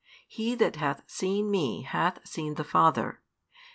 He that hath seen Me hath seen the Father.